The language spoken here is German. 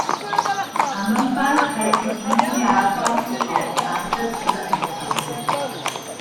Andernfalls heißt die Bilinearform ausgeartet oder entartet.